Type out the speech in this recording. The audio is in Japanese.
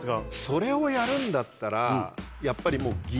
それをやるんだったらやっぱりもう。